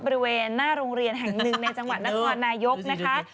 บริเวณหน้าโรงเรียนแห่งหนึ่งในจังหวัดนครนายกนะคะ